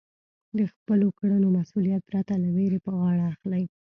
د خپلو کړنو مسؤلیت پرته له وېرې په غاړه اخلئ.